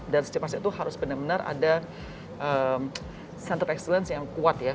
dan setiap masyarakat itu harus benar benar ada center of excellence yang kuat ya